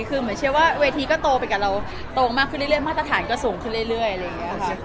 คือเวทีก็โตไปกับเราโตมากขึ้นเรื่อยมาตรฐานก็สูงขึ้นเรื่อย